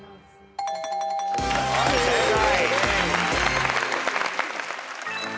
はい正解。